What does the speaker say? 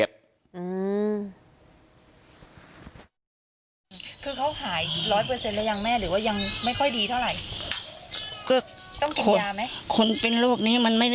อืม